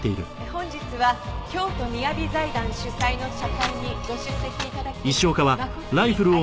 「本日は京都みやび財団主催の茶会にご出席頂き誠にありがたく存じます」